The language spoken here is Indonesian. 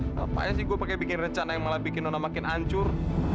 kenapa sih gue pakai bikin rencana yang malah bikin nona makin ancur